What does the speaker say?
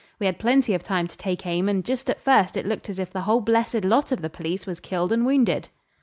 We had plenty of time to take aim, and just at first it looked as if the whole blessed lot of the police was killed and wounded.